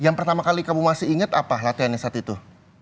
yang pertama kali kamu masih ingat apa latihannya saat itu